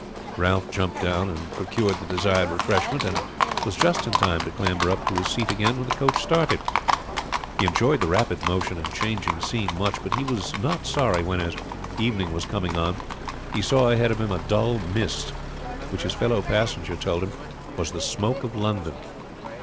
Ralph jumped down and procured the desired refreshment, and was just in time to clamber up to his seat again when the coach started. He enjoyed the rapid motion and changing scene much, but he was not sorry when as evening was coming on he saw ahead of him a dull mist, which his fellow passenger told him was the smoke of London.